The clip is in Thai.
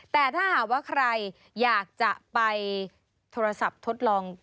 แต่ถ้าหากว่าใครอยากจะไปโทรศัพท์ทดลอง